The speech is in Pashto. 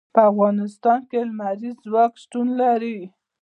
په افغانستان کې لمریز ځواک شتون لري.